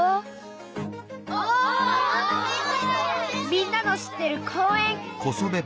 みんなの知ってる公園！